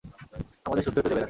আমাদের সুখী হতে দেবে না।